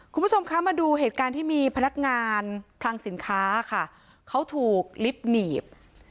คุณผู้ชมคะมาดูเหตุการณ์ที่มีพนักงานคลังสินค้าค่ะเขาถูกลิฟต์หนีบ